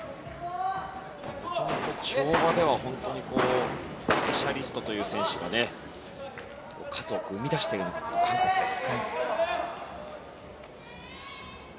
もともと跳馬では本当にスペシャリストという選手を数多く生み出している韓国です。